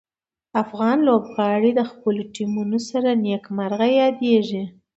افغان لوبغاړي د خپلو ټیمونو سره نیک مرغه یادیږي.